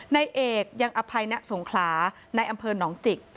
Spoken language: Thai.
นายเอกยังอภัยณสงขลาในอำเภอหนองจิก